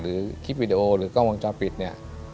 คลิปวิดีโอหรือกล้องวงจรปิดเนี่ย